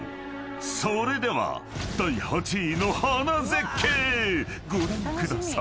［それでは第８位の花絶景ご覧ください］